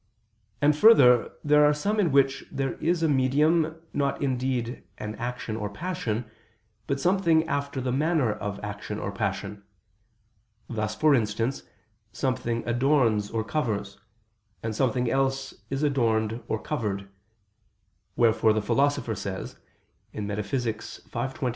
And, further, there are some in which there is a medium, not indeed an action or passion, but something after the manner of action or passion: thus, for instance, something adorns or covers, and something else is adorned or covered: wherefore the Philosopher says (Metaph. v, text.